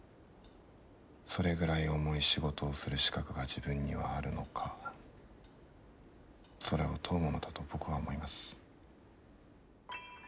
それぐらい重い仕事をする資格が自分にはあるのかそれを問うものだと僕は思います。